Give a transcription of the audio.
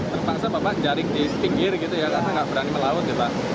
terpaksa bapak jaring di pinggir gitu ya karena nggak berani melaut ya pak